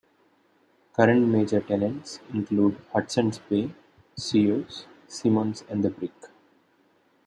Current major tenants include Hudson's Bay, Sears, Simons and The Brick.